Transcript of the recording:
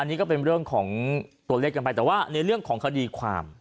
อันนี้ก็เป็นเรื่องของตัวเลขกันไปแต่ว่าในเรื่องของคดีความ